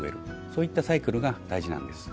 そういったサイクルが大事なんです。